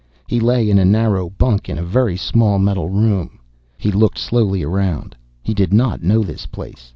He lay in a narrow bunk in a very small metal room. He looked slowly around. He did not know this place.